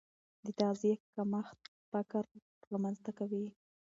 د تغذیې کمښت فقر رامنځته کوي.